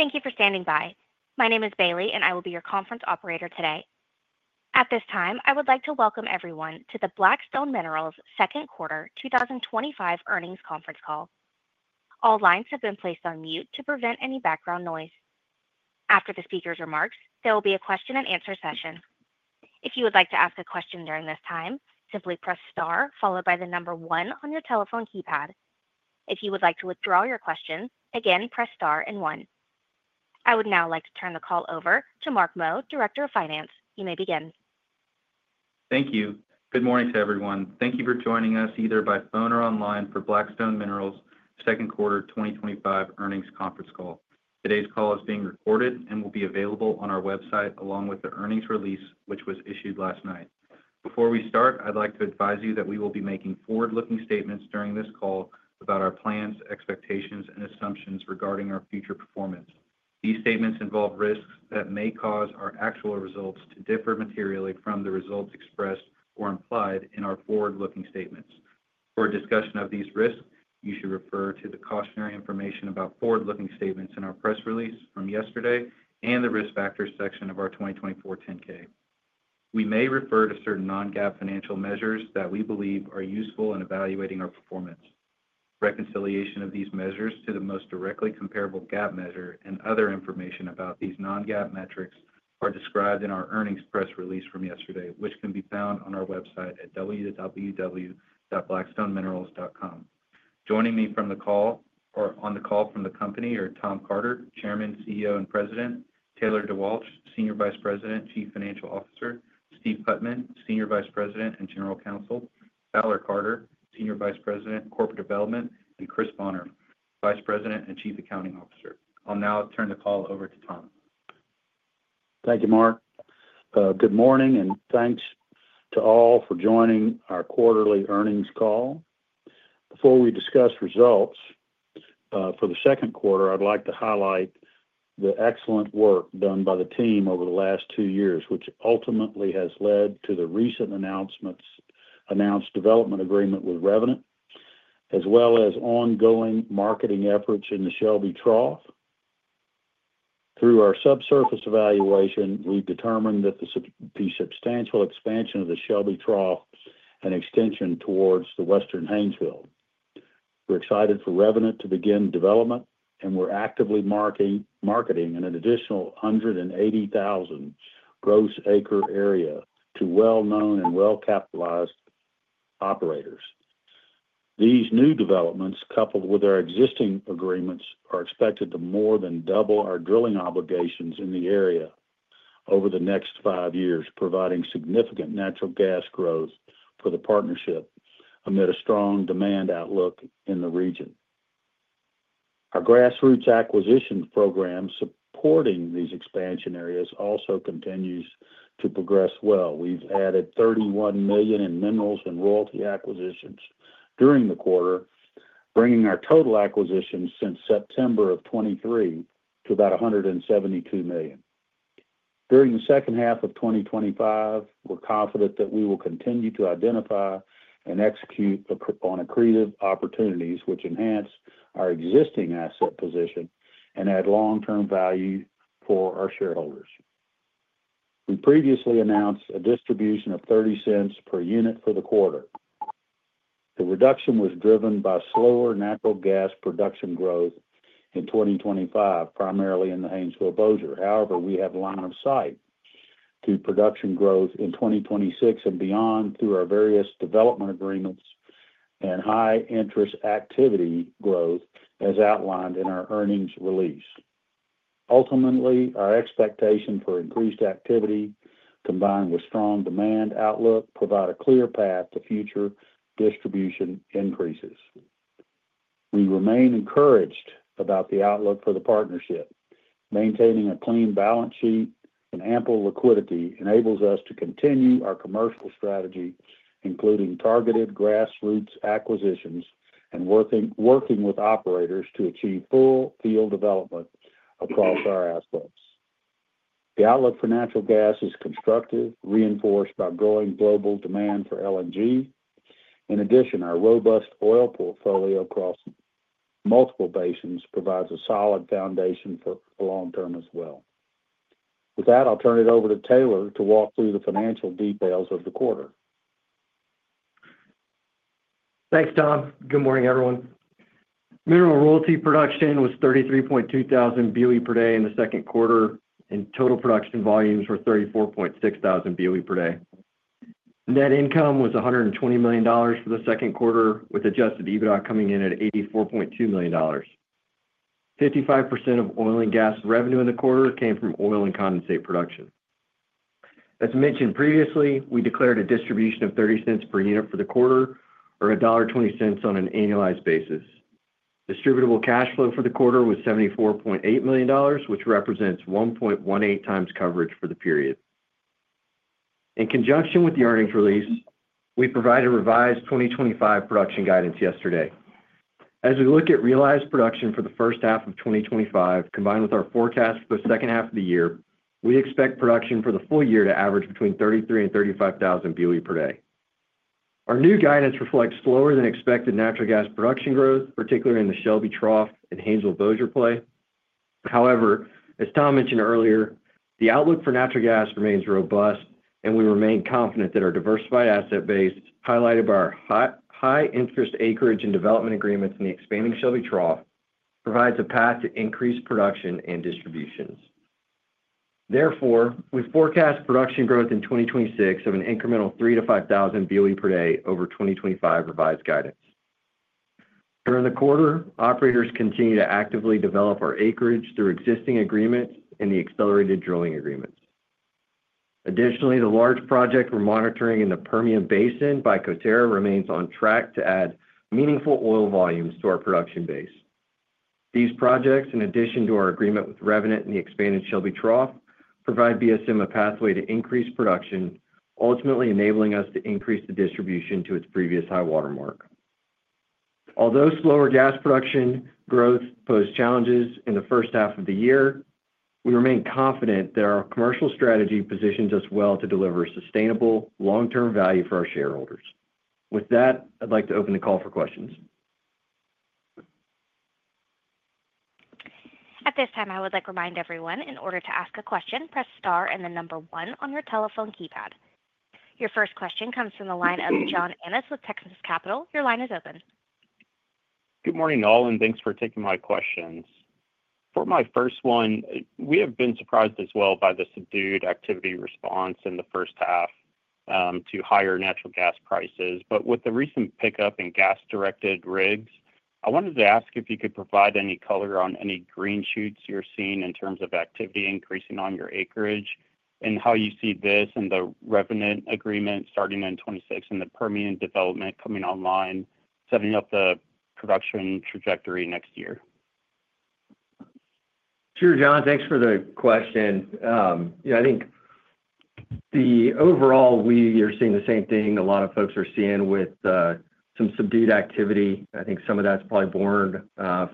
Thank you for standing by. My name is Bailey, and I will be your conference operator today. At this time, I would like to welcome everyone to the Black Stone Minerals second quarter 2025 earnings conference call. All lines have been placed on mute to prevent any background noise. After the speaker's remarks, there will be a question and answer session. If you would like to ask a question during this time, simply press star followed by the number one on your telephone keypad. If you would like to withdraw your question, again press star and one. I would now like to turn the call over to Mark Meaux, Director of Finance. You may begin. Thank you. Good morning to everyone. Thank you for joining us either by phone or online for Black Stone Minerals second quarter 2025 earnings conference call. Today's call is being recorded and will be available on our website along with the earnings release, which was issued last night. Before we start, I'd like to advise you that we will be making forward-looking statements during this call about our plans, expectations, and assumptions regarding our future performance. These statements involve risks that may cause our actual results to differ materially from the results expressed or implied in our forward-looking statements. For a discussion of these risks, you should refer to the cautionary information about forward-looking statements in our press release from yesterday and the risk factors section of our 2024 10-K. We may refer to certain non-GAAP financial measures that we believe are useful in evaluating our performance. Reconciliation of these measures to the most directly comparable GAAP measure and other information about these non-GAAP metrics are described in our earnings press release from yesterday, which can be found on our website at www.blackstoneminerals.com. Joining me on the call from the company are Tom Carter, Chairman, CEO and President, Taylor DeWalch, Senior Vice President, Chief Financial Officer, Steve Putman, Senior Vice President and General Counsel, Valar Carter, Senior Vice President, Corporate Development, and Chris Bonner, Vice President and Chief Accounting Officer. I'll now turn the call over to Tom. Thank you, Mark. Good morning and thanks to all for joining our quarterly earnings call. Before we discuss results for the second quarter, I'd like to highlight the excellent work done by the team over the last two years, which ultimately has led to the recent announced development agreement with Revenant Energy, as well as ongoing marketing efforts in the Shelby Trough. Through our subsurface evaluation, we've determined that the substantial expansion of the Shelby Trough and extension towards the Western Haynesville. We're excited for Revenant Energy to begin development, and we're actively marketing an additional 180,000 gross acre area to well-known and well-capitalized operators. These new developments, coupled with our existing agreements, are expected to more than double our drilling obligations in the area over the next five years, providing significant natural gas growth for the partnership amid a strong demand outlook in the region. Our grassroots acquisition program supporting these expansion areas also continues to progress well. We've added $31 million in mineral and royalty acquisitions during the quarter, bringing our total acquisitions since September of 2023 to about $172 million. During the second half of 2025, we're confident that we will continue to identify and execute on accretive opportunities, which enhance our existing asset position and add long-term value for our shareholders. We previously announced a distribution of $0.30 per unit for the quarter. The reduction was driven by slower natural gas production growth in 2025, primarily in the Haynesville boulder. However, we have line of sight to production growth in 2026 and beyond through our various development agreements and high-interest activity growth, as outlined in our earnings release. Ultimately, our expectation for increased activity, combined with strong demand outlook, provides a clear path to future distribution increases. We remain encouraged about the outlook for the partnership. Maintaining a clean balance sheet and ample liquidity enables us to continue our commercial strategy, including targeted grassroots acquisitions and working with operators to achieve full field development across our assets. The outlook for natural gas is constructive, reinforced by growing global demand for LNG. In addition, our robust oil portfolio across multiple basins provides a solid foundation for the long term as well. With that, I'll turn it over to Taylor to walk through the financial details of the quarter. Thanks, Tom. Good morning, everyone. Mineral royalty production was 33,200 BOE per day in the second quarter, and total production volumes were 34,600 BOE per day. Net income was $120 million for the second quarter, with adjusted EBITDA coming in at $84.2 million. 55% of oil and gas revenue in the quarter came from oil and condensate production. As mentioned previously, we declared a distribution of $0.30 per unit for the quarter, or $1.20 on an annualized basis. Distributable cash flow for the quarter was $74.8 million, which represents 1.18 times coverage for the period. In conjunction with the earnings release, we provided revised 2025 production guidance yesterday. As we look at realized production for the first half of 2025, combined with our forecast for the second half of the year, we expect production for the full year to average between 33,000 and 35,000 BOE per day. Our new guidance reflects slower than expected natural gas production growth, particularly in the Shelby Trough and Haynesville boulder play. However, as Tom mentioned earlier, the outlook for natural gas remains robust, and we remain confident that our diversified asset base, highlighted by our high-interest acreage and development agreements in the expanding Shelby Trough, provides a path to increased production and distributions. Therefore, we forecast production growth in 2026 of an incremental 3,000 to 5,000 BOE per day over 2025 revised guidance. During the quarter, operators continue to actively develop our acreage through existing agreements and the accelerated drilling agreements. Additionally, the large project we're monitoring in the Permian Basin by Coterra remains on track to add meaningful oil volumes to our production base. These projects, in addition to our agreement with Revenant Energy and the expanded Shelby Trough, provide Black Stone Minerals a pathway to increased production, ultimately enabling us to increase the distribution to its previous high watermark. Although slower gas production growth posed challenges in the first half of the year, we remain confident that our commercial strategy positions us well to deliver sustainable long-term value for our shareholders. With that, I'd like to open the call for questions. At this time, I would like to remind everyone, in order to ask a question, press star and the number one on your telephone keypad. Your first question comes from the line of John Ennis with Texas Capital. Your line is open. Good morning all, and thanks for taking my questions. For my first one, we have been surprised as well by the subdued activity response in the first half to higher natural gas prices. With the recent pickup in gas-directed rigs, I wanted to ask if you could provide any color on any green shoots you're seeing in terms of activity increasing on your acreage and how you see this and the Revenant Energy agreement starting in 2026 and the Permian development coming online, setting up the production trajectory next year. Sure, John. Thanks for the question. I think overall, we are seeing the same thing a lot of folks are seeing with some subdued activity. I think some of that's probably born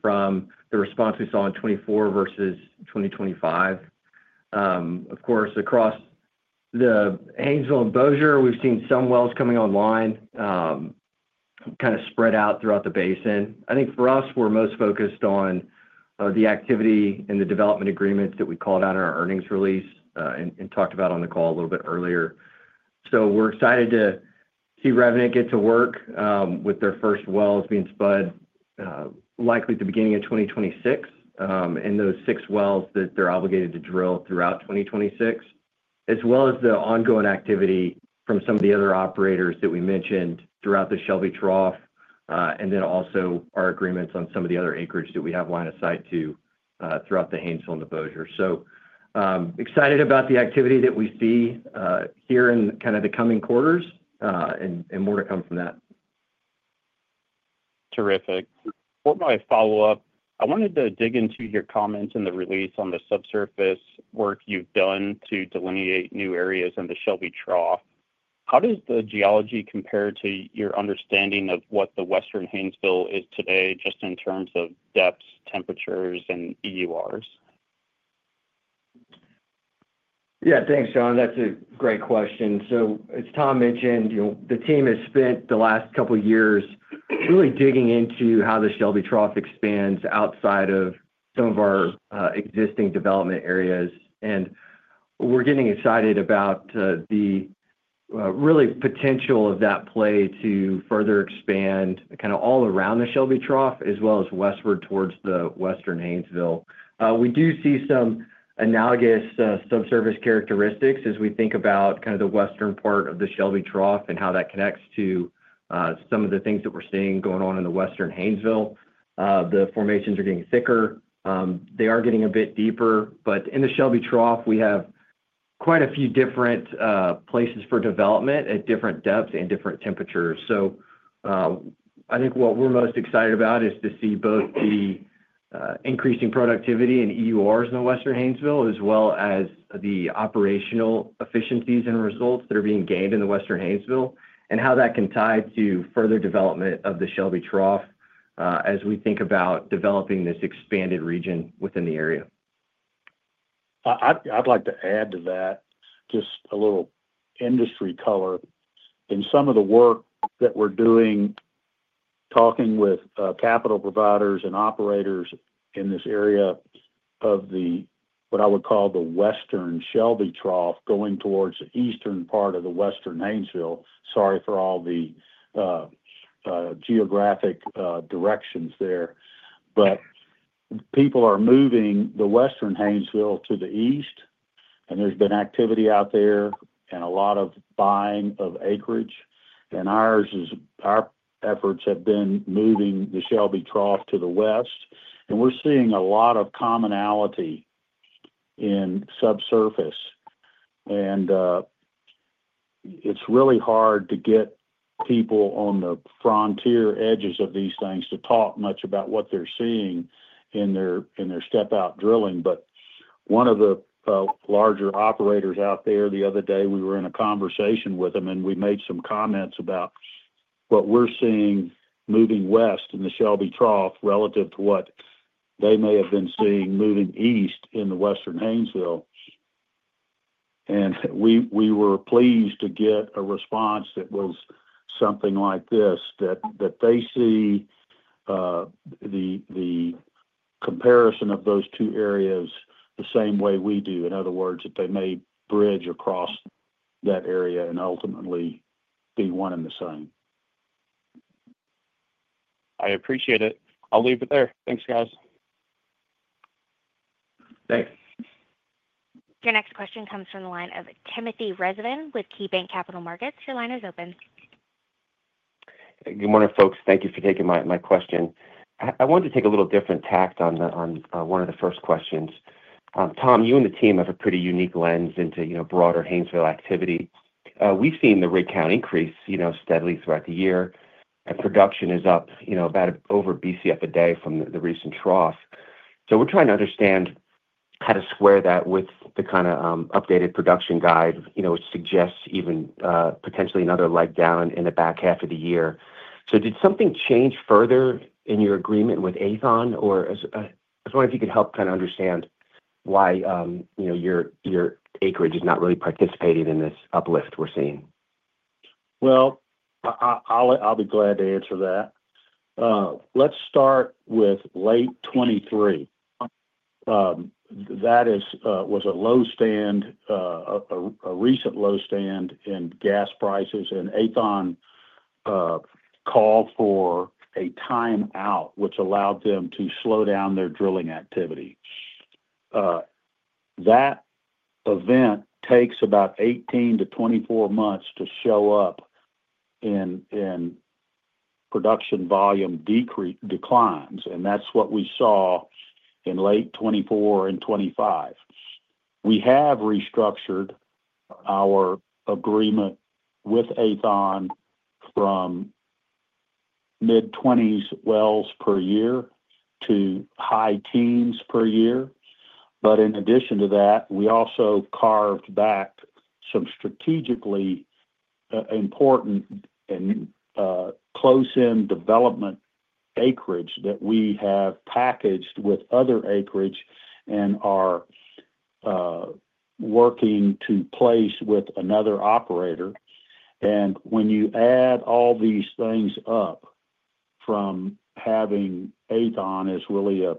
from the response we saw in 2024 versus 2025. Of course, across the Haynesville and Bossier, we've seen some wells coming online, kind of spread out throughout the basin. I think for us, we're most focused on the activity and the development agreements that we called out in our earnings release and talked about on the call a little bit earlier. We're excited to see Revenant Energy get to work with their first wells being spud, likely at the beginning of 2026, and those six wells that they're obligated to drill throughout 2026, as well as the ongoing activity from some of the other operators that we mentioned throughout the Shelby Trough, and also our agreements on some of the other acreage that we have line of sight to throughout the Haynesville and the Bossier. Excited about the activity that we see here in the coming quarters, and more to come from that. Terrific. For my follow-up, I wanted to dig into your comments in the release on the subsurface work you've done to delineate new areas in the Shelby Trough. How does the geology compare to your understanding of what the Western Haynesville is today, just in terms of depths, temperatures, and EURs? Yeah, thanks, John. That's a great question. As Tom mentioned, the team has spent the last couple of years really digging into how the Shelby Trough expands outside of some of our existing development areas. We're getting excited about the real potential of that play to further expand all around the Shelby Trough, as well as westward towards the Western Haynesville. We do see some analogous subsurface characteristics as we think about the western part of the Shelby Trough and how that connects to some of the things that we're seeing going on in the Western Haynesville. The formations are getting thicker, they are getting a bit deeper, but in the Shelby Trough, we have quite a few different places for development at different depths and different temperatures. I think what we're most excited about is to see both the increasing productivity and EURs in the Western Haynesville, as well as the operational efficiencies and results that are being gained in the Western Haynesville, and how that can tie to further development of the Shelby Trough as we think about developing this expanded region within the area. I'd like to add to that just a little industry color. In some of the work that we're doing, talking with capital providers and operators in this area of what I would call the Western Shelby Trough, going towards the eastern part of the Western Haynesville, sorry for all the geographic directions there, but people are moving the Western Haynesville to the east, and there's been activity out there and a lot of buying of acreage. Our efforts have been moving the Shelby Trough to the west, and we're seeing a lot of commonality in subsurface. It's really hard to get people on the frontier edges of these things to talk much about what they're seeing in their step-out drilling. One of the larger operators out there, the other day, we were in a conversation with them, and we made some comments about what we're seeing moving west in the Shelby Trough relative to what they may have been seeing moving east in the Western Haynesville. We were pleased to get a response that was something like this, that they see the comparison of those two areas the same way we do. In other words, that they may bridge across that area and ultimately be one and the same. I appreciate it. I'll leave it there. Thanks, guys. Thanks. Your next question comes from the line of Timothy Rezvan with KeyBanc Capital Markets. Your line is open. Good morning, folks. Thank you for taking my question. I wanted to take a little different tact on one of the first questions. Tom, you and the team have a pretty unique lens into broader Haynesville activity. We've seen the rig count increase steadily throughout the year. Production is up about over a BCF a day from the recent trough. We're trying to understand how to square that with the kind of updated production guidance, which suggests even potentially another leg down in the back half of the year. Did something change further in your agreement with Aethon Energy? I was wondering if you could help kind of understand why your acreage is not really participating in this uplift we're seeing. I'll be glad to answer that. Let's start with late 2023. That was a low stand, a recent low stand in gas prices, and Aethon Energy called for a timeout, which allowed them to slow down their drilling activity. That event takes about 18 to 24 months to show up in production volume declines, and that's what we saw in late 2024 and 2025. We have restructured our agreement with Aethon Energy from mid-20s wells per year to high teens per year. In addition to that, we also carved back some strategically important and close-end development acreage that we have packaged with other acreage and are working to place with another operator. When you add all these things up from having Aethon Energy as really a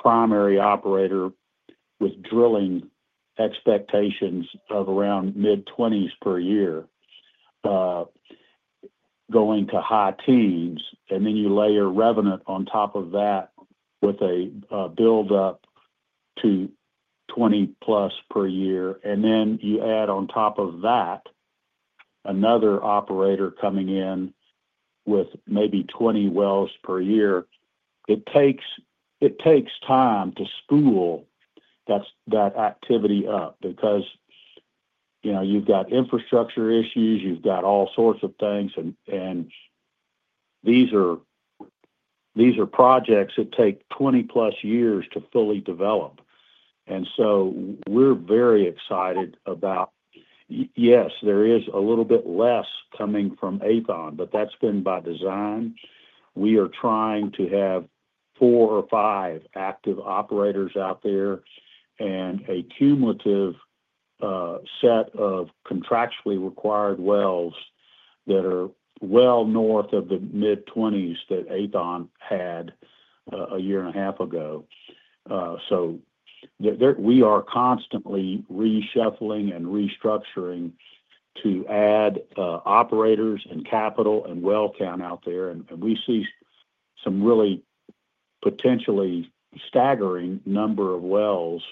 primary operator with drilling expectations of around mid-20s per year going to high teens, and then you layer Revenant Energy on top of that with a build-up to 20+ per year, and then you add on top of that another operator coming in with maybe 20 wells per year, it takes time to spool that activity up because you've got infrastructure issues, you've got all sorts of things, and these are projects that take 20+ years to fully develop. We are very excited about, yes, there is a little bit less coming from Aethon Energy, but that's been by design. We are trying to have four or five active operators out there and a cumulative set of contractually required wells that are well north of the mid-20s that Aethon Energy had a year and a half ago. We are constantly reshuffling and restructuring to add operators and capital and well count out there. We see some really potentially staggering number of wells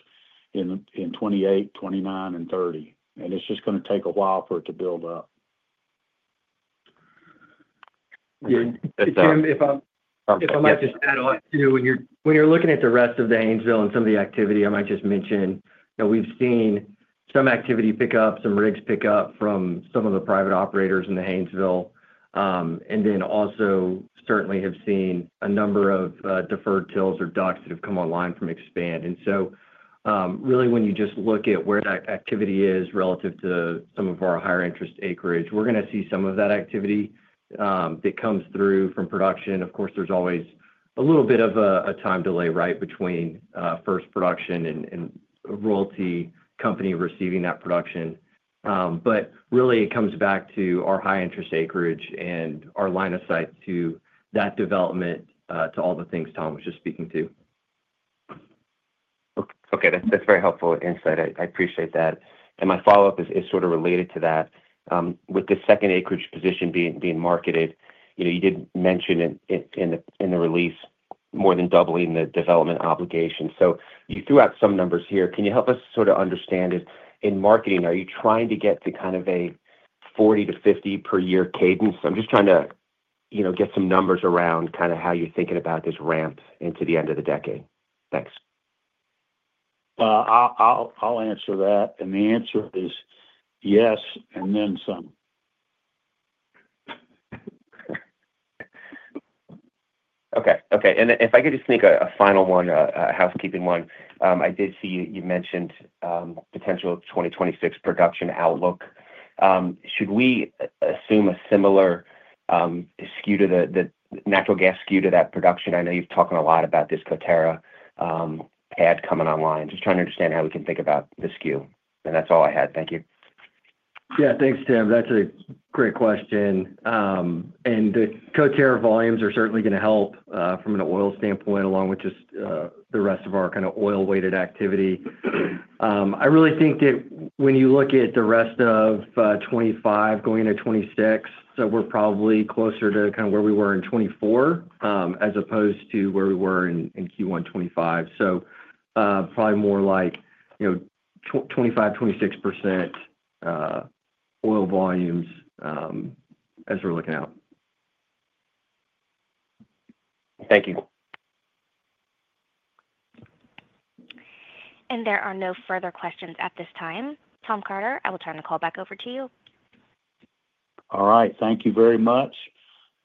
in 2028, 2029, and 2030. It's just going to take a while for it to build up. Yeah. Tim, if I might just add on, when you're looking at the rest of the Haynesville and some of the activity, I might just mention, we've seen some activity pick up, some rigs pick up from some of the private operators in the Haynesville, and then also certainly have seen a number of deferred tills or DUCs that have come online from Expand. When you just look at where that activity is relative to some of our higher interest acreage, we're going to see some of that activity that comes through from production. Of course, there's always a little bit of a time delay between first production and royalty company receiving that production. It comes back to our high interest acreage and our line of sight to that development to all the things Tom was just speaking to. Okay. That's very helpful insight. I appreciate that. My follow-up is sort of related to that. With the second acreage position being marketed, you did mention in the release more than doubling the development obligation. You threw out some numbers here. Can you help us sort of understand, in marketing, are you trying to get to kind of a 40 to 50 per year cadence? I'm just trying to get some numbers around kind of how you're thinking about this ramp into the end of the decade. Thanks. I'll answer that. The answer is yes, and then some. Okay. Okay. If I could just make a final one, a housekeeping one, I did see you mentioned potential 2026 production outlook. Should we assume a similar skew to the natural gas skew to that production? I know you've talked a lot about this Coterra ad coming online. Just trying to understand how we can think about the skew. That's all I had. Thank you. Yeah. Thanks, Tim. That's a great question. The Cotera volumes are certainly going to help from an oil standpoint, along with just the rest of our kind of oil-weighted activity. I really think that when you look at the rest of 2025 going into 2026, we're probably closer to kind of where we were in 2024 as opposed to where we were in Q1 2025. Probably more like 25% to 26% oil volumes as we're looking out. Thank you. There are no further questions at this time. Tom Carter, I will turn the call back over to you. All right. Thank you very much.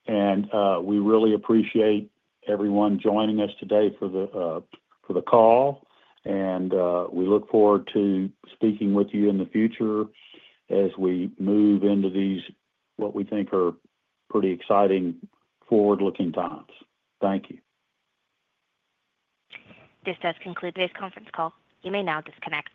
We really appreciate everyone joining us today for the call. We look forward to speaking with you in the future as we move into these, what we think are pretty exciting forward-looking times. Thank you. This does conclude today's conference call. You may now disconnect.